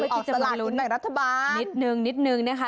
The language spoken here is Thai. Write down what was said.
อ๋อเพื่อที่จะลงรุนนิดนึงนิดนึงนะคะ